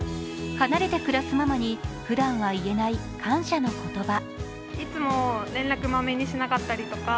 離れて暮らすママにふだんは言えない感謝の言葉。